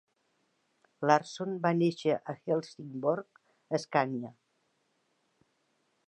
Larsson va nàixer a Helsingborg, Escània.